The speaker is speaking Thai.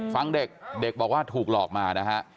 ฟังเด็กเด็กบอกว่าถูกหลอกมานะฮะ